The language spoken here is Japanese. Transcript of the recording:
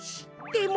でも。